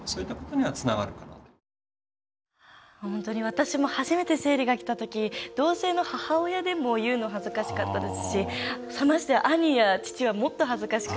私も初めて生理がきたとき同性の母親でも言うの恥ずかしかったですしましてや兄や父はもっと恥ずかしくて。